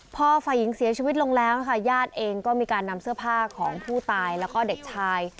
พอฝ่ายหญิงเสียชีวิตลงแล้วนะคะญาติเองก็มีการนำเสื้อผ้าของผู้ตายแล้วก็เด็กชาย